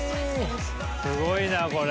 すごいなこれ。